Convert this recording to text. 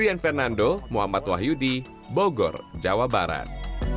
rian fernando muhammad wahyudi bogor jawa barat